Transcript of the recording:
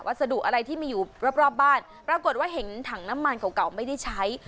สดุอะไรที่มีอยู่รอบรอบบ้านปรากฏว่าเห็นถังน้ำมันเก่าไม่ได้ใช้